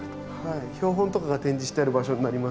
標本とかが展示してある場所になります。